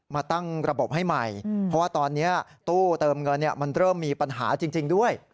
มาตั้งระบบให้ใหม่เพราะว่าตอนนี้ตู้เติมเงินมันเริ่มมีปัญหาจริงด้วย